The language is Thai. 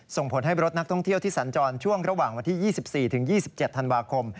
ส่งผลให้รถนักท่องเที่ยวที่สัญจรช่วงระหว่างวันที่๒๔๒๗ธันวาคม